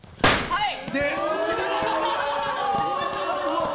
はい。